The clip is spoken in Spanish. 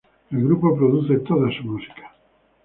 El grupo produce toda su música.